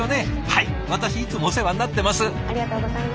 はい私いつもお世話になってます。